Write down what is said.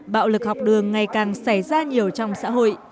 bạo lực học đường ngày càng xảy ra nhiều trong xã hội